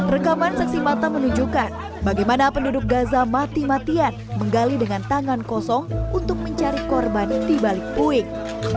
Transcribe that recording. rekaman saksi mata menunjukkan bagaimana penduduk gaza mati matian menggali dengan tangan kosong untuk mencari korban di balik puing